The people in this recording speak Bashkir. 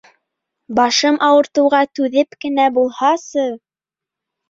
Башым ауыртыуға түҙеп кенә булһасы!